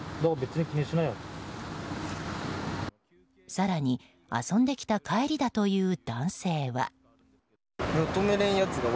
更に遊んできた帰りだという男性は。